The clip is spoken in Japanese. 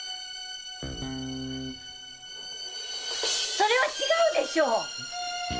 それは違うでしょう！